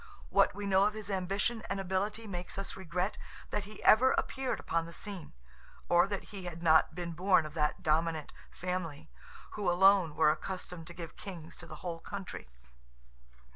What we know of his ambition and ability makes us regret that he ever appeared upon the scene, or that he had not been born of that dominant family, who alone were accustomed to give kings to the whole country.